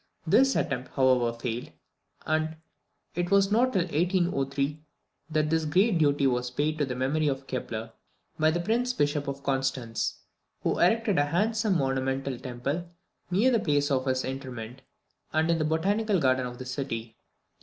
This attempt, however, failed, and it was not till 1803 that this great duty was paid to the memory of Kepler, by the Prince Bishop of Constance, who erected a handsome monumental temple near the place of his interment, and in the Botanical Garden of the city.